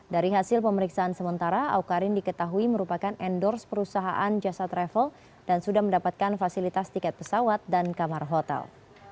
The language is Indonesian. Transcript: dari hasil pemeriksaan sementara awkarin diketahui merupakan endorse perusahaan jasa travel dan sudah mendapatkan fasilitas tiket pesawat dan kamar hotel